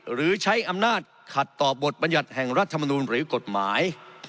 หรือใช้อำนาจขัดต่อบทบรรยัติแห่งรัฐมนูลหรือกฎหมาย